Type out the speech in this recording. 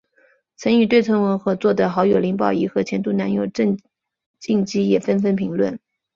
曾与邓萃雯合作的好友林保怡和前度男友郑敬基也纷纷评论。